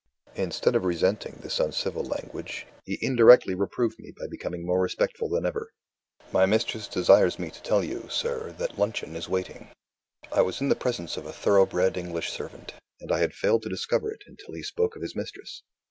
Instead of resenting this uncivil language, he indirectly reproved me by becoming more respectful than ever. "My mistress desires me to tell you, sir, that luncheon is waiting." I was in the presence of a thoroughbred English servant and I had failed to discover it until he spoke of his mistress!